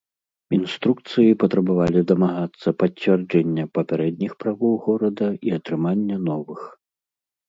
Інструкцыі патрабавалі дамагацца пацвярджэння папярэдніх правоў горада і атрымання новых.